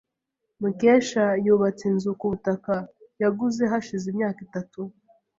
Mukesha yubatse inzu kubutaka yaguze hashize imyaka itatu.